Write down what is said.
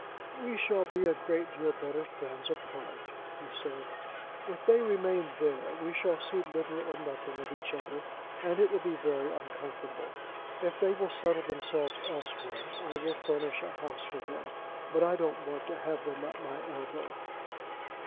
"We shall be a great deal better friends apart," he said. "If they remain there we shall see little or nothing of each other, and it will be very uncomfortable. If they will settle themselves elsewhere, I will furnish a house for them; but I don't want to have them at my elbow."